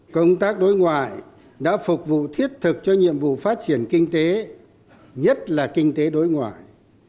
công tác đối ngoại đã phục vụ thiết thực cho nhiệm vụ phát triển kinh tế nhất là kinh tế đối ngoại